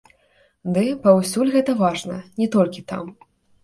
Ды, паўсюль гэта важна, не толькі там.